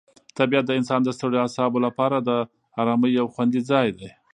طبیعت د انسان د ستړیو اعصابو لپاره د آرامۍ یو خوندي ځای دی.